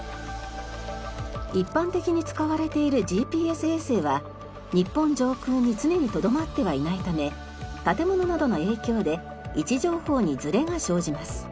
一般的に使われているＧＰＳ衛星は日本上空に常にとどまってはいないため建物などの影響で位置情報にズレが生じます。